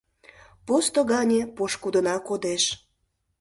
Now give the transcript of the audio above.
Посто гане пошкудына кодеш.